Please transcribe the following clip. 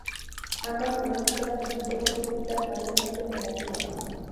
Ambas películas recibieron críticas mayormente negativas.